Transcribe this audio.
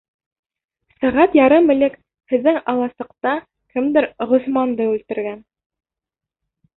Сәғәт ярым элек һеҙҙең аласыҡта кемдер Ғосманды үлтергән.